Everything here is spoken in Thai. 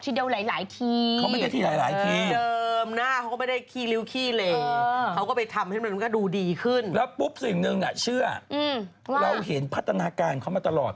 เชื่อเราเห็นพัฒนาการเขามาตลอด